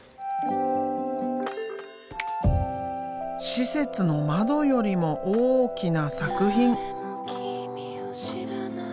施設の窓よりも大きな作品。